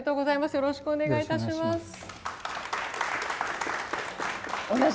よろしくお願いします。